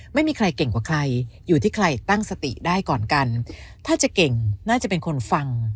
ไม่มีใครเก่งกว่าใครอยู่ที่ใครตั้งสติได้ก่อนกันถ้าจะเก่งน่าจะเป็นคนฟัง